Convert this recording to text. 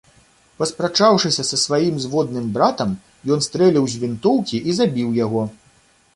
Паспрачаўшыся са сваім зводным братам, ён стрэліў з вінтоўкі і забіў яго.